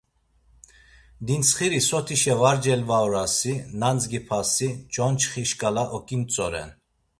Dintsxiri sotişe var celvaorasi, nandzgipasi çonçxi şǩala oǩintzoren.